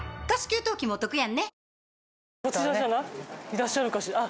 いらっしゃるかしら。